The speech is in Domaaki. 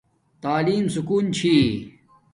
تعلیم سکون چھی